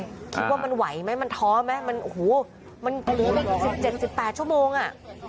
คิดว่ามันไหวไหมมันท้อไหมมัน๑๗๑๘ชั่วโมงอ่ะ